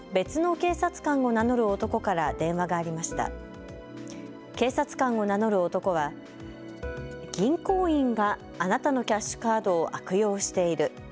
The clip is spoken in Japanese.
警察官を名乗る男は銀行員があなたのキャッシュカードを悪用している。